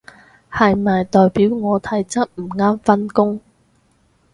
係咪代表我體質唔啱返工？